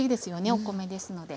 お米ですので。